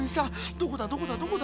どこだどこだどこだ？